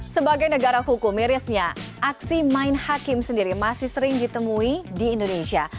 sebagai negara hukum mirisnya aksi main hakim sendiri masih sering ditemui di indonesia